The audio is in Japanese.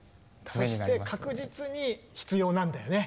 そして確実に必要なんだよね